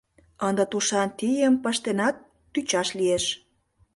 Ынде тушан тийым пыштенат тӱчаш лиеш.